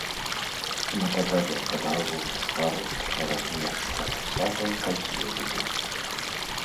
Непадалёк ад галоўных варот размешчана сажалка з лебедзямі.